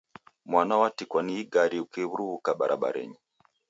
Mwana watikwa ni igari ukiruw'uka barabarenyi